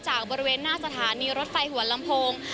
บริเวณหน้าสถานีรถไฟหัวลำโพง